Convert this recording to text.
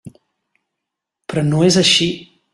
Però no és així.